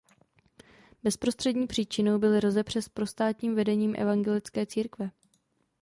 Bezprostřední příčinou byly rozepře s prostátním vedením evangelické církve.